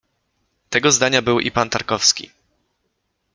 Tego zdania był i pan Tarkowski.